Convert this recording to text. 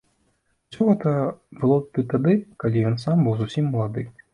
Усё гэта было тут і тады, калі ён сам быў зусім малады.